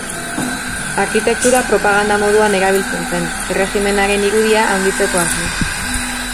Arkitektura propaganda moduan erabiltzen zen, erregimenaren irudia handitzeko asmoz.